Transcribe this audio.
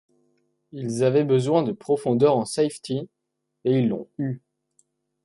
Ils avaient besoin de profondeur en safety et ils l’ont eue.